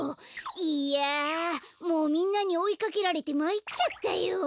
いやもうみんなにおいかけられてまいっちゃったよ。